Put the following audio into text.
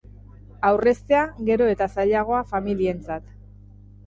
Aurreztea, gero eta zailagoa familientzat.